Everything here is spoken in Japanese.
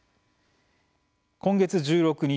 今月１６日